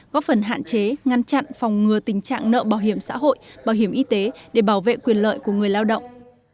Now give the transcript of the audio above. góp phần hạn chế ngăn chặn phòng ngừa tình trạng nợ bảo hiểm xã hội bảo hiểm y tế để bảo vệ quyền lợi của người lao động